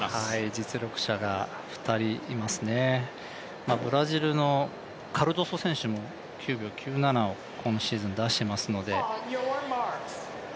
実力者が２人いますね、ブラジルのカルドソ選手も９秒９７を今シーズン出していますので。